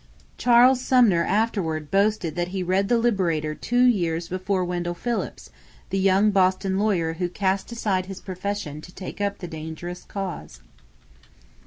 Charles Sumner afterward boasted that he read the Liberator two years before Wendell Phillips, the young Boston lawyer who cast aside his profession to take up the dangerous cause.